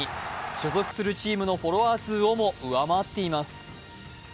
所属するチームのフォロワー数をも上回っています。